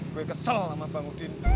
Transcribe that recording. gue kesel sama bang udin